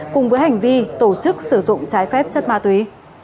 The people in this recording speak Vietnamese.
cùng với hành vi tổ chức sử dụng trái phép chất ma túy